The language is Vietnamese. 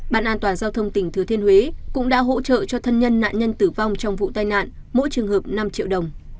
bạn an toàn giao thông tỉnh thừa thiên huế cũng đã hỗ trợ cho thân nhân nạn nhân tử vong trong vụ tai nạn mỗi trường hợp năm triệu đồng